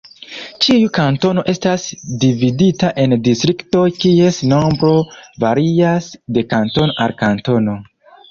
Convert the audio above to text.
Ĉiu kantono estas dividita en distriktoj kies nombro varias de kantono al kantono.